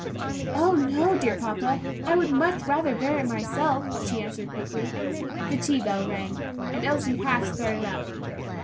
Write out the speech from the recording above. "Oh, no, dear papa, I would much rather bear it myself," she answered quickly. The tea bell rang, and Elsie half started up.